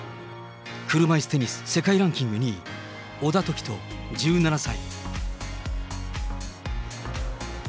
車いすテニス世界ランキング２位、小田凱人１７歳。